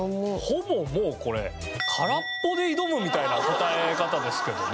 ほぼもうこれ空っぽで挑むみたいな答え方ですけどね。